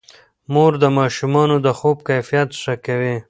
مور د ماشومانو د خوب کیفیت ښه کوي.